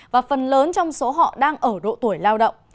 và phần lớn trong số họ đang ở độ tuổi lao động